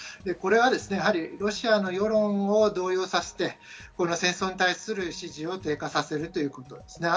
これはロシアの世論を動揺させて戦争に対する支持を低下させるということです。